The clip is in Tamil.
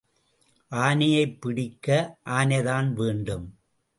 ஆனையைப் பிடிக்க ஆனைதான் வேண்டும்.